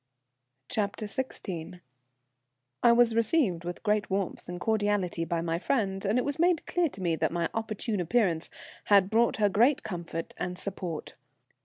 CHAPTER XVI. I was received with great warmth and cordiality by my friend, and it was made clear to me that my opportune appearance brought her great comfort and support.